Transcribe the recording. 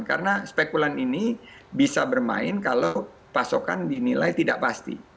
karena spekulan ini bisa bermain kalau pasokan dinilai tidak masif